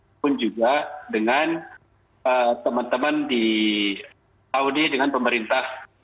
nah karena itu adalah suatu kesempatan yang sangat penting untuk kita